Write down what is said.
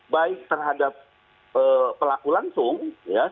baik terhadap pelaku langsung ya